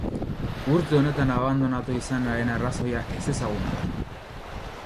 Urte honetan abandonatu izanaren arrazoia ezezaguna da.